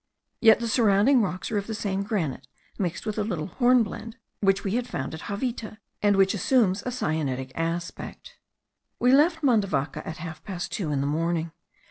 Yet the surrounding rocks are of the same granite, mixed with a little hornblende, which we had found at Javita, and which assumes a syenitic aspect. We left Mandavaca at half past two in the morning.